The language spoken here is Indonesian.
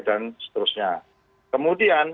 dan seterusnya kemudian